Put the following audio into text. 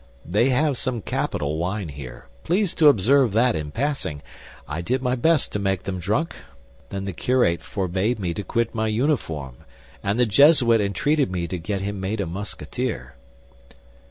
"They have some capital wine here—please to observe that in passing. I did my best to make them drunk. Then the curate forbade me to quit my uniform, and the Jesuit entreated me to get him made a Musketeer."